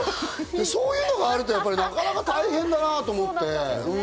そういうのがあるから、なかなか大変だなと思って。